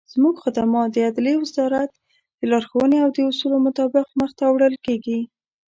زموږخدمات دعدلیي وزارت دلارښووني او داصولو مطابق مخته وړل کیږي.